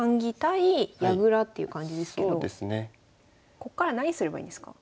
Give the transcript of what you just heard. こっから何すればいいんですか？